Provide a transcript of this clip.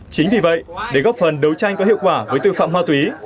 chính vì vậy để góp phần đấu tranh có hiệu quả với tội phạm ma túy